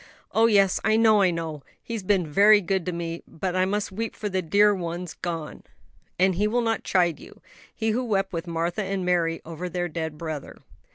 "Oh, yes, I know, I know! He has been very good to me; but I must weep for the dear ones gone " "And He will not chide you He who wept with Martha and Mary over their dead brother."